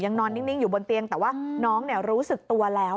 นอนนิ่งอยู่บนเตียงแต่ว่าน้องรู้สึกตัวแล้ว